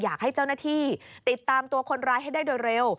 อยากให้เจ้าหน้าที่ติดตามตัวคนร้ายให้ได้โดยเร็ว